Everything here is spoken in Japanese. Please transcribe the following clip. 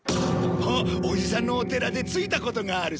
おじさんのお寺で突いたことがあるぜ。